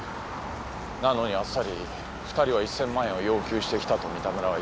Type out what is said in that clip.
なのにあっさり２人は１，０００万円を要求してきたと三田村は言った。